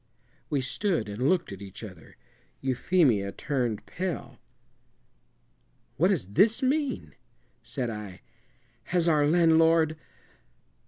We stood and looked at each other. Euphemia turned pale. "What does this mean?" said I. "Has our landlord